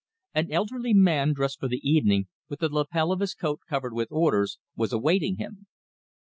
An elderly man, dressed for the evening, with the lapel of his coat covered with orders, was awaiting him.